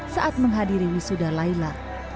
saat menghadiri wisuda laila